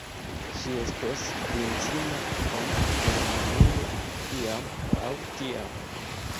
Ŝi estos princino en Germanujo, iam aŭ tiam.